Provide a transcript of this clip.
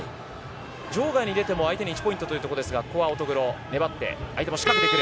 場外に出ても相手に１ポイントというところですがここは乙黒粘って相手も仕掛けてくる。